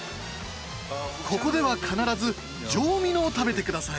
ここでは必ず上ミノを食べて下さい。